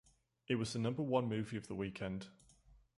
It was the number one movie of the weekend.